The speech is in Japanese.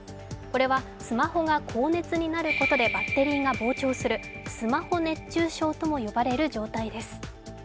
これはスマホが高熱になることでバッテリーが膨張するスマホ熱中症とも呼ばれる状態です。